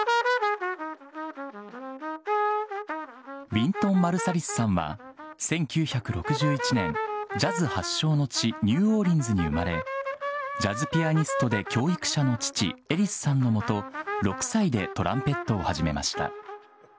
ウィントン・マルサリスさんは１９６１年ジャズ発祥の地ニューオーリンズに生まれジャズピアニストで教育者の父・エリスさんの下６歳でトランペットを始めました。